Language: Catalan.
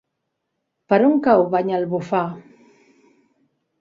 Per on cau Banyalbufar?